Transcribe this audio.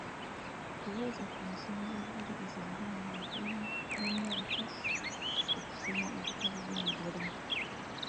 Lowooza ku nsonga eziwaliriza abaana naddala mu myaka okusoma obutabo bw’engero.